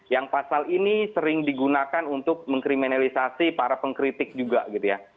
yang pasal ini sering digunakan untuk mengkriminalisasi para pengkritik juga gitu ya